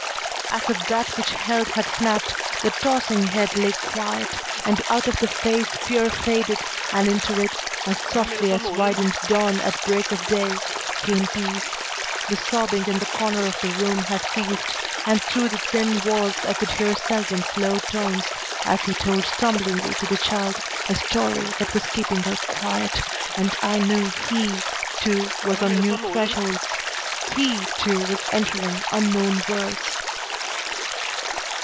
As if that which held had snapped, the tossing head lay quiet, and out of the face fear faded, and into it, as softly as widens dawn at break of day, came peace. The sobbing in the corner of the room had ceased, and through the thin walls I could hear Selwyn's low tones as he told stumblingly to the child a story that was keeping her quiet, and I knew he, too, was on new thresholds; he, too, was entering unknown worlds.